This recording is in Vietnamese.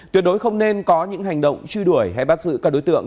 tuyệt đối không nên có những hành động truy đuổi hay bắt giữ các đối tượng